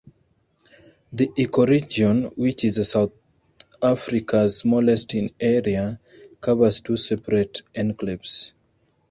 The ecoregion, which is South Africa's smallest in area, covers two separate enclaves.